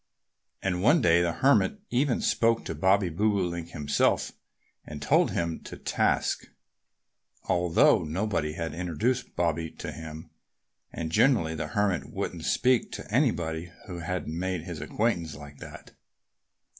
And one day the Hermit even spoke to Bobby Bobolink himself and took him to task, although nobody had introduced Bobby to him. And generally the Hermit wouldn't speak to anybody who hadn't made his acquaintance like that.